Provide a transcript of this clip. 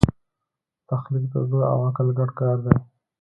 تخلیق د زړه او عقل ګډ کار دی.